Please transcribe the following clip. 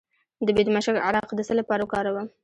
د بیدمشک عرق د څه لپاره وکاروم؟